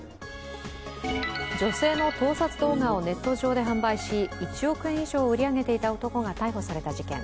女性の盗撮動画をネット上で販売し１億円以上を売り上げていた男が逮捕された事件。